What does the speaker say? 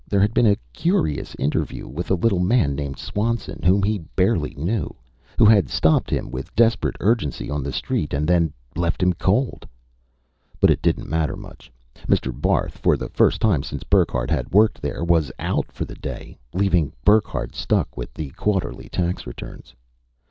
There had been a curious interview with a little man named Swanson, whom he barely knew, who had stopped him with desperate urgency on the street and then left him cold. But it didn't matter much. Mr. Barth, for the first time since Burckhardt had worked there, was out for the day leaving Burckhardt stuck with the quarterly tax returns.